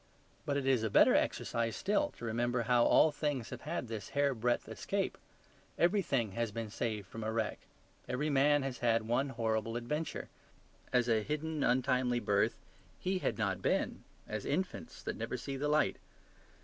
But it is a better exercise still to remember how all things have had this hair breadth escape: everything has been saved from a wreck. Every man has had one horrible adventure: as a hidden untimely birth he had not been, as infants that never see the light.